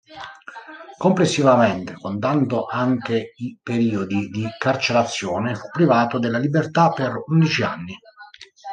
Complessivamente, contando anche i periodi di carcerazione, fu privato della libertà per undici anni.